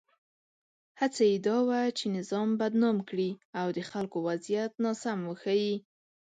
هڅه یې دا وه چې نظام بدنام کړي او د خلکو وضعیت ناسم وښيي.